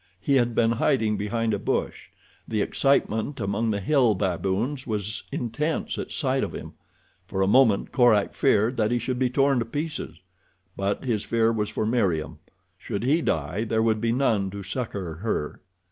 He had been hiding behind a bush. The excitement among the hill baboons was intense at sight of him. For a moment Korak feared that he should be torn to pieces; but his fear was for Meriem. Should he die there would be none to succor her.